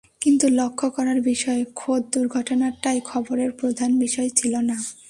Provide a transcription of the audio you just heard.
কিন্তু লক্ষ করার বিষয়, খোদ দুর্ঘটনাটাই খবরের প্রধান বিষয় ছিল না।